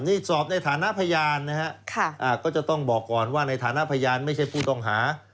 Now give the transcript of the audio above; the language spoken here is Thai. นี่สอบในฐานะพยานนะฮะก็จะต้องบอกก่อนว่าในฐานะพยานไม่ใช่ผู้ต้องหา